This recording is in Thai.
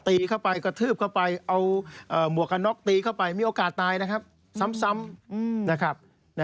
เข้าไปกระทืบเข้าไปเอาหมวกกันน็อกตีเข้าไปมีโอกาสตายนะครับซ้ำนะครับ